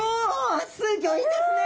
すギョいですね。